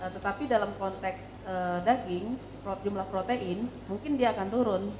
tetapi dalam konteks daging jumlah protein mungkin dia akan turun